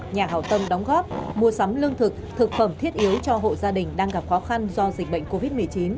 nhà hảo tâm đóng góp mua sắm lương thực thực phẩm thiết yếu cho hộ gia đình đang gặp khó khăn do dịch bệnh covid một mươi chín